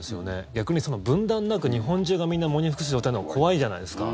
逆に分断なく日本中がみんな喪に服す状態のほうが怖いじゃないですか。